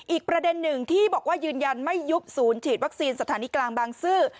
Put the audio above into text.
อีกประเด็นหนึ่งที่บอกว่ายืนยันไม่ยุบศูนย์ฉีดวัคซีนสถานีกลางบางซื่อ